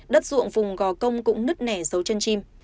đất ruộng vùng gò công cũng nứt nẻ dấu chân chim